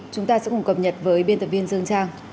chúng ta sẽ cùng cập nhật với biên tập viên dương trang